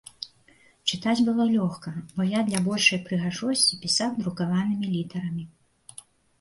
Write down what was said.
Чытаць было лёгка, бо я для большай прыгажосці пісаў друкаванымі літарамі.